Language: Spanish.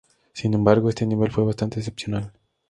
Sin embargo, este nivel fue bastante excepcional.